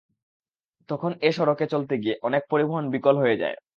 তখন এ সড়কে চলতে গিয়ে অনেক পরিবহন বিকল হয়ে যায়।